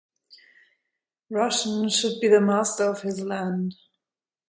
Russian should be the master of his land.